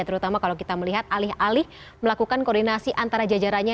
terutama kalau kita melihat alih alih melakukan koordinasi antara jajarannya